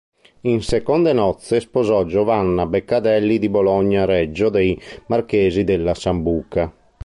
In seconde nozze sposò Giovanna Beccadelli di Bologna Reggio dei marchesi della Sambuca.